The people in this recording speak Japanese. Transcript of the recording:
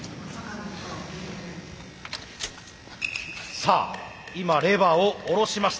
さあ今レバーを下ろしました。